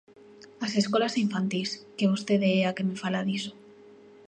As escolas infantís, que vostede é a que me fala diso.